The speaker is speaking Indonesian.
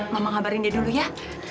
mama ngabarin dia dulu ya